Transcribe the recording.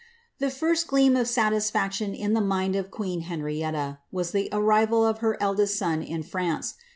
The first gleam of satisfaction to the mind of queen Henrietta, was the vrival of her eldest son in France.